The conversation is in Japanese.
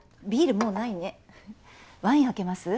もうないねふふっワイン開けます？